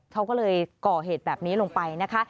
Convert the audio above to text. เขาก็เลยก่อเหตุแบบนี้ลงไปนะคะ